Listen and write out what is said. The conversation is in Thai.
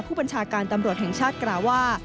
ผู้บัญชาการตำรวจแห่งชาติกล่าวว่า